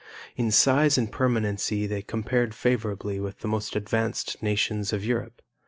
In size and permanency they compared favorably with the most advanced nations of Europe.